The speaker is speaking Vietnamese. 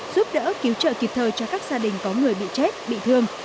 giúp đỡ cứu trợ kịp thời cho các gia đình có người bị chết bị thương